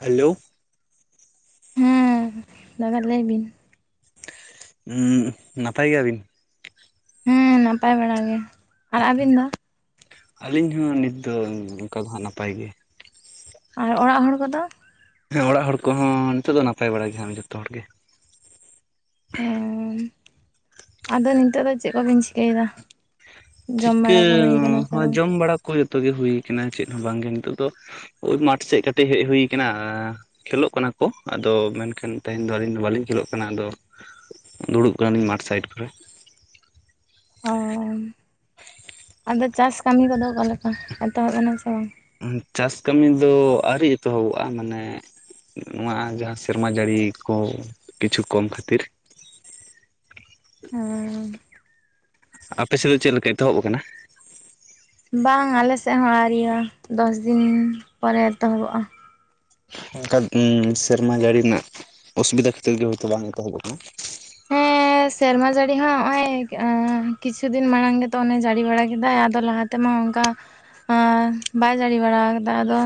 Hello. ᱦᱮᱸ ᱫᱟᱫᱟ ᱞᱟᱹᱭ ᱵᱤᱱ᱾ ᱦᱩᱸ ᱱᱟᱯᱟᱭ ᱜᱮᱭᱟᱵᱤᱱ᱾ ᱦᱮᱸ ᱱᱟᱯᱟᱭ ᱵᱟᱲᱟ ᱜᱮ ᱟᱨ ᱟᱹᱵᱤᱱ ᱫᱚ᱾ ᱟᱹᱞᱤᱧ ᱦᱚᱸ ᱱᱤᱛ ᱫᱚ ᱚᱱᱠᱟ ᱫᱚ ᱦᱟᱸᱜ ᱱᱟᱯᱟᱭ ᱜᱮ᱾ ᱟᱨ ᱚᱲᱟᱜ ᱦᱚᱲ ᱠᱚᱫᱚ᱾ ᱦᱮᱸ ᱚᱲᱟᱜ ᱦᱚᱲ ᱠᱚᱦᱚᱸ ᱱᱤᱛᱚᱜ ᱫᱚ ᱱᱟᱯᱟᱭ ᱵᱟᱲᱟ ᱜᱮ ᱦᱟᱸᱜ ᱡᱚᱛᱚ ᱦᱚᱲ ᱜᱮ᱾ ᱦᱩᱸ ᱟᱫᱚ ᱱᱤᱛᱚᱜ ᱫᱚ ᱪᱮᱫ ᱠᱚᱵᱤᱱ ᱪᱤᱠᱟᱹᱭ ᱫᱟ᱾ ᱪᱤᱠᱟᱹ ᱥᱮ ᱵᱟᱝ ᱡᱚᱢ ᱵᱟᱲᱟ ᱠᱚ ᱡᱚᱛᱚ ᱜᱮ ᱦᱩᱭ ᱟᱠᱟᱱᱟ ᱪᱮᱫ ᱦᱚᱸ ᱵᱟᱝᱜᱮ ᱱᱤᱛᱚᱜ ᱫᱚ᱾ ᱳᱭ ᱢᱟᱴᱷ ᱥᱮᱫ ᱠᱟᱹᱴᱤᱡ ᱦᱮᱡ ᱦᱩᱭ ᱟᱠᱟᱱᱟ ᱟ ᱠᱷᱮᱞᱳᱜ ᱠᱟᱱᱟ ᱠᱚ ᱟᱫᱚ ᱢᱮᱱᱠᱷᱟᱱ ᱛᱮᱦᱮᱧ ᱫᱚ ᱟᱹᱞᱤᱧ ᱫᱚ ᱵᱟᱹᱞᱤᱧ ᱠᱷᱮᱞᱳᱜ ᱠᱟᱱᱟ ᱟᱫᱚ ᱫᱩᱲᱩᱵ ᱠᱟᱱᱟᱞᱤᱧ ᱢᱟᱴᱷ ᱥᱟᱭᱤᱰ ᱠᱚᱨᱮ᱾ ᱚ ᱟᱫᱚ ᱪᱟᱥ ᱠᱟᱹᱢᱤ ᱠᱚᱫᱚ ᱚᱠᱟᱞᱮᱠᱟ ᱮᱛᱚᱦᱚᱵ ᱮᱱᱟ ᱥᱮ ᱵᱟᱝ᱾ ᱪᱟᱥ ᱠᱟᱹᱢᱤ ᱫᱚ ᱟᱹᱣᱨᱤ ᱮᱛᱚᱦᱚᱵᱚᱜᱼᱟ ᱢᱟᱱᱮ ᱱᱚᱣᱟ ᱡᱟᱦᱟᱸ ᱥᱮᱨᱢᱟ ᱡᱟᱹᱲᱤ ᱠᱚ ᱠᱤᱪᱷᱩ ᱠᱚᱢ ᱠᱷᱟᱹᱛᱤᱨ ᱦᱩᱸ ᱟᱯᱮ ᱥᱮᱫ ᱫᱚ ᱪᱮᱫ ᱞᱮᱠᱟ ᱮᱛᱚᱦᱚᱵ ᱠᱟᱱᱟ ᱵᱟᱝ ᱟᱞᱮ ᱥᱮᱫ ᱦᱚᱸ ᱟᱣᱨᱤᱭᱟ ᱫᱚᱥᱫᱤᱱ ᱯᱚᱨᱮ ᱮᱛᱚᱦᱚᱵᱚᱜᱼᱟ ᱚᱱᱠᱟ ᱥᱮᱨᱢᱟ ᱡᱟᱲᱤ ᱨᱮᱱᱟᱜ ᱚᱥᱩᱵᱤᱫᱟ ᱠᱷᱟᱹᱛᱤᱨ ᱜᱮ ᱦᱚᱭᱛᱳ ᱵᱟᱝ ᱮᱛᱚᱦᱚᱵ ᱟᱠᱟᱱᱟ ᱦᱮᱸ ᱥᱮᱨᱢᱟ ᱡᱟᱹᱲᱤ ᱦᱚᱸ ᱦᱸᱚᱜᱼᱚᱭ ᱠᱤᱪᱷᱩ ᱫᱤᱱ ᱢᱟᱲᱟᱝ ᱜᱮᱛᱚ ᱚᱱᱮ ᱡᱟᱹᱲᱤ ᱵᱟᱲᱟ ᱠᱮᱫᱟᱭ ᱟᱫᱚ ᱞᱟᱦᱟ ᱛᱮ ᱛᱮᱢᱟ ᱚᱱᱠᱟ ᱵᱟᱭ ᱡᱟᱹᱲᱤ ᱵᱟᱲᱟ ᱠᱟᱫᱟ ᱟᱫᱚ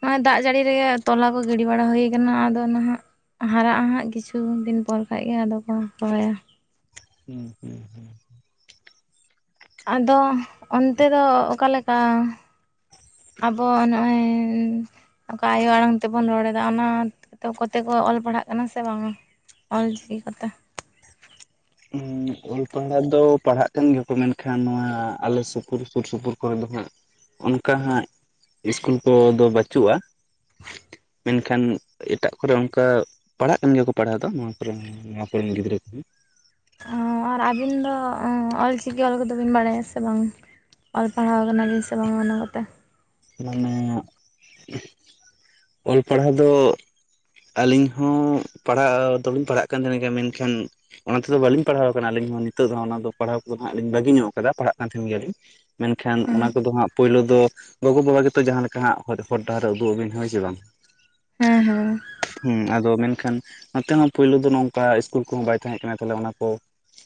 ᱱᱚᱜᱼᱚᱭ ᱫᱟᱜ ᱡᱟᱹᱲᱤ ᱨᱮᱜᱮ ᱛᱚᱞᱟ ᱠᱚ ᱜᱤᱰᱤ ᱵᱟᱲᱟ ᱦᱩᱭ ᱠᱟᱱᱟ ᱟᱫᱚ ᱱᱟᱦᱟᱜ ᱦᱟᱨᱟᱜᱼᱟ ᱦᱟᱸᱜ ᱠᱤᱪᱷᱩ ᱫᱤᱱ ᱯᱚᱨ ᱠᱷᱟᱡ ᱜᱮ ᱟᱫᱚ ᱠᱚ ᱨᱚᱦᱚᱭ ᱟ ᱦᱩᱸ ᱦᱩᱸ ᱦᱩᱸ ᱟᱫᱚ ᱚᱱᱛᱮ ᱫᱚ ᱚᱠᱟ ᱞᱮᱠᱟ ᱟᱵᱚ ᱱᱚᱜᱼᱚᱭ ᱚᱠᱟ ᱟᱭᱳ ᱟᱲᱟᱝ ᱛᱮ ᱵᱚᱱ ᱨᱚᱲ ᱮᱫᱟ ᱚᱱᱟ ᱠᱚᱛᱮ ᱠᱚ ᱚᱞ ᱯᱟᱲᱦᱟᱜ ᱠᱟᱱᱟ ᱥᱮ ᱵᱟᱝ ᱟ ᱚᱞ ᱪᱤᱠᱤ ᱠᱚᱛᱮ ᱦᱩᱸ ᱚᱞ ᱯᱟᱲᱦᱟᱜ ᱫᱚ ᱯᱟᱲᱦᱟᱜ ᱠᱟᱱ ᱜᱮᱭᱟ ᱠᱚ ᱢᱮᱱᱠᱷᱟᱱ ᱱᱚᱣᱟ ᱟᱞᱮ ᱥᱩᱯᱩᱨ ᱥᱩᱨ ᱥᱩᱯᱩᱨ ᱠᱚᱨᱮ ᱫᱚ ᱦᱟᱸᱜ ᱚᱱᱠᱟ ᱦᱟᱸᱜ ᱤᱥᱠᱩᱞ ᱠᱚᱫᱚ ᱵᱟᱪᱩᱜᱼᱟ ᱢᱮᱱᱠᱷᱟᱱ ᱮᱴᱟᱜ ᱠᱚᱨᱮ ᱚᱱᱠᱟ ᱯᱟᱲᱦᱟᱜ ᱠᱟᱱ ᱜᱮᱭᱟ ᱠᱚ ᱯᱟᱲᱦᱟᱣ ᱫᱚ ᱱᱚᱣᱟ ᱠᱚᱨᱮᱱ ᱱᱚᱣᱟ ᱠᱚᱨᱮᱱ ᱜᱤᱫᱽᱨᱟᱹ ᱠᱚᱦᱚᱸ ᱟᱨ ᱟᱹᱵᱤᱱ ᱫᱚ ᱚᱞ ᱪᱤᱠᱤ ᱚᱞ ᱠᱚᱫᱚ ᱵᱤᱱ ᱵᱟᱲᱟᱭ ᱟ ᱥᱮ ᱵᱟᱝ ᱚᱞ ᱯᱟᱲᱦᱟᱣ ᱠᱟᱱᱟ ᱵᱤᱱ ᱥᱮ ᱵᱟᱝᱟ ᱚᱱᱟ ᱠᱚᱛᱮ ᱢᱟᱱᱮ ᱚᱞ ᱯᱟᱲᱦᱟᱣ ᱫᱚ ᱟᱹᱞᱤᱧ ᱦᱚᱸ ᱯᱟᱲᱦᱟᱜ ᱫᱚᱞᱤᱧ ᱯᱟᱲᱦᱟᱜ ᱠᱟᱱ ᱜᱮᱭᱟ ᱢᱮᱱᱠᱷᱟᱱ ᱚᱱᱟ ᱛᱮᱫᱚ ᱵᱟᱹᱞᱤᱧ ᱯᱟᱲᱦᱟᱣ ᱟᱠᱟᱱᱟ ᱟᱹᱞᱤᱧ ᱦᱚᱸ ᱱᱤᱛᱚᱜ ᱫᱚ ᱚᱱᱟ ᱫᱚ ᱯᱟᱲᱦᱟᱣ ᱠᱚᱫᱚ ᱦᱟᱸᱜ ᱞᱤᱧ ᱵᱟᱹᱜᱤ ᱧᱚᱜ ᱟᱠᱟᱫᱟ ᱯᱟᱲᱦᱟᱜ ᱠᱟᱱ ᱛᱟᱦᱮᱱ ᱜᱮᱭᱟ ᱞᱤᱧ ᱢᱮᱱᱠᱷᱟᱱ ᱚᱱᱟ ᱦᱮᱸ ᱠᱚᱫᱚ ᱦᱟᱸᱜ ᱯᱳᱭᱞᱳ ᱫᱚ ᱜᱚᱜᱚ ᱵᱟᱵᱟ ᱜᱮᱛᱚ ᱡᱟᱦᱟᱸ ᱞᱮᱠᱟ ᱦᱟᱸᱜ ᱦᱚᱨ ᱰᱟᱦᱟᱨ ᱮ ᱩᱫᱩᱜ ᱟ. ᱵᱤᱱ ᱠᱟᱱᱟ ᱦᱳᱭ ᱥᱮ ᱵᱟᱝ ᱦᱮᱸ ᱦᱮᱸ ᱦᱩᱸ ᱟᱫᱚ ᱢᱮᱱᱠᱷᱟᱱ ᱱᱚᱛᱮ ᱦᱚᱸ ᱯᱳᱭᱞᱳ ᱫᱚ ᱱᱚᱝᱠᱟ ᱤᱥᱠᱩᱞ ᱠᱚᱦᱚᱸ ᱵᱟᱭ ᱛᱟᱦᱮᱸ ᱠᱟᱱᱟ ᱛᱟᱦᱞᱮ ᱚᱱᱟ ᱠᱚ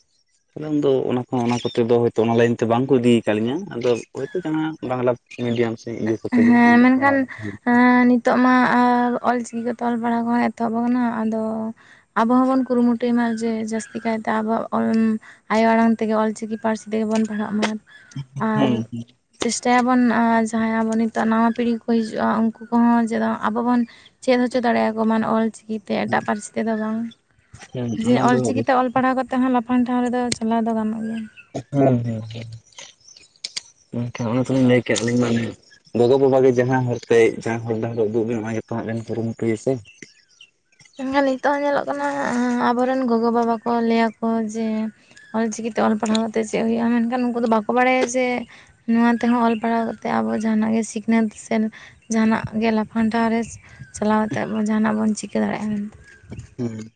[unintelligible] ᱟᱫᱚ ᱩᱱ ᱫᱚ ᱚᱱᱟ ᱠᱚᱸᱦᱚ ᱚᱱᱟ ᱠᱚᱛᱮ ᱫᱚ ᱦᱳᱭᱛᱚ ᱚᱱᱟ ᱞᱟᱭᱤᱱ ᱛᱮ ᱵᱟᱝ ᱠᱚ ᱤᱫᱤ ᱠᱟᱫ ᱞᱤᱧᱟᱹ ᱟᱫᱚ ᱦᱳᱭᱛᱚ ᱡᱟᱦᱟᱸ ᱵᱟᱝᱞᱟ ᱢᱤᱰᱤᱭᱟᱢ ᱥᱮ ᱠᱚᱛᱮ ᱜᱮ ᱦᱟᱸᱜ ᱦᱮᱸ ᱯᱟᱲᱦᱟᱣ ᱢᱮᱱᱠᱷᱟᱱ ᱵᱟᱲᱟ ᱦᱩᱭ ᱱᱤᱛᱚᱜ ᱢᱟ ᱟᱨ ᱚᱞ ᱪᱤᱠᱤ ᱠᱚᱛᱮ ᱚᱞ ᱯᱟᱲᱦᱟᱣ ᱠᱚᱦᱚᱸ ᱮᱛᱚᱦᱚᱵ ᱟᱠᱟᱱᱟ ᱟᱫᱚ ᱟᱵᱚ ᱦᱚᱸᱵᱚᱱ ᱠᱩᱨᱩᱢᱩᱴᱩᱭ ᱢᱟ ᱡᱮ ᱡᱟᱥᱛᱤ ᱠᱟᱭᱛᱮ ᱟᱵᱚᱣᱟᱜ ᱚᱞ ᱟᱭᱳ ᱟᱲᱟᱝ ᱛᱮᱜᱮ ᱚᱞ ᱪᱤᱠᱤ ᱯᱟᱹᱨᱥᱤ ᱛᱮᱜᱮ ᱵᱚᱱ ᱯᱟᱲᱦᱟᱜ ᱢᱟ ᱟᱨ ᱪᱮᱥᱴᱟᱭ ᱟᱵᱚᱱ ᱡᱟᱦᱟᱸᱭ ᱟᱵᱚ ᱱᱤᱛ ᱱᱟᱣᱟ ᱯᱤᱲᱦᱤ ᱠᱚ ᱦᱤᱡᱩᱜᱼᱟ ᱩᱱᱠᱩ ᱠᱚᱦᱚᱸ ᱡᱮᱢᱚᱱ ᱟᱵᱚ ᱵᱚᱱ ᱪᱮᱫ ᱦᱚᱪᱚ ᱫᱟᱲᱮ ᱟᱠᱚ ᱢᱟ ᱚᱞ ᱪᱤᱠᱤ ᱛᱮ ᱮᱴᱟᱜ ᱯᱟᱹᱨᱥᱤ ᱛᱮᱫᱚ ᱵᱟᱝ ᱟᱠᱟᱱᱟ᱾ ᱦᱩᱸ ᱦᱩᱸ ᱡᱮ ᱚᱱᱟ ᱚᱞ ᱫᱚ ᱪᱤᱠᱤ ᱛᱮ ᱚᱞ ᱯᱟᱲᱦᱟᱣ ᱠᱟᱛᱮ ᱦᱚᱸ ᱞᱟᱯᱷᱟᱝ ᱴᱷᱟᱶ ᱨᱮᱫᱚ ᱪᱟᱞᱟᱣ ᱫᱚ ᱜᱟᱱᱚᱜ ᱜᱮᱭᱟ ᱦᱮᱸ ᱦᱮᱸ ᱢᱮᱱᱠᱷᱟᱱ ᱚᱱᱮ ᱛᱚᱞᱤᱧ ᱞᱟᱹᱭ ᱠᱮᱫ ᱟ. ᱞᱤᱧ ᱢᱟ ᱚᱱᱮ ᱜᱚᱜᱚᱼ ᱵᱟᱵᱟ ᱜᱮ ᱡᱟᱦᱟᱸ ᱦᱚᱨ ᱛᱮ ᱡᱟᱦᱟᱸ ᱦᱚᱨ ᱰᱟᱦᱟᱨ ᱮ ᱩᱫᱩᱜ ᱟ. ᱵᱤᱱ ᱚᱱᱟ ᱜᱮᱛᱚ ᱦᱟᱸᱜ ᱵᱮᱱ ᱠᱩᱨᱩᱢᱩᱴᱩᱭᱟ ᱥᱮ ᱮᱠᱷᱟᱱ ᱱᱤᱛᱚᱜ ᱦᱚᱸ ᱧᱮᱞᱚᱜ ᱠᱟᱱᱟ ᱟᱵᱚᱨᱮᱱ ᱜᱚᱜᱚ ᱵᱟᱵᱟ ᱠᱚ ᱞᱟᱹᱭᱟ ᱠᱚ ᱡᱮ ᱚᱞ-ᱪᱤᱠᱤᱛᱮ ᱚᱞ ᱯᱟᱲᱦᱟᱣ ᱠᱟᱛᱮᱫ ᱪᱮᱫ ᱦᱩᱭᱩᱜᱼᱟ ᱢᱮᱱᱠᱷᱟᱱ ᱩᱱᱠᱩ ᱫᱚ ᱵᱟᱠᱚ ᱵᱟᱲᱟᱭᱟ ᱡᱮ ᱱᱚᱣᱟ ᱛᱮᱦᱚᱸ ᱚᱞ ᱯᱟᱲᱦᱟᱣ ᱠᱟᱛᱮ ᱟᱵᱚ ᱡᱟᱦᱟᱱᱼᱟᱜ ᱜᱮ ᱥᱤᱠᱷᱱᱟᱹᱛ ᱥᱮ ᱡᱟᱦᱟᱱᱟᱜ ᱜᱮ ᱞᱟᱯᱷᱟᱝ ᱴᱷᱟᱶ ᱨᱮ ᱪᱟᱞᱟᱣ ᱠᱟᱛᱮᱫ ᱟᱵᱚ ᱡᱟᱦᱟᱱᱼᱟᱜ ᱵᱚᱱ ᱪᱤᱠᱟᱹ ᱫᱟᱲᱮᱭᱟᱜᱼᱟ ᱢᱮᱱᱛᱮ ᱦᱮᱸ